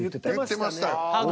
言ってましたよ。